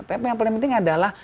tapi yang paling penting adalah